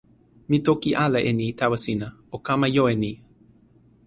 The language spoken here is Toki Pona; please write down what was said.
mi toki ala e ni tawa sina: o kama jo e ni.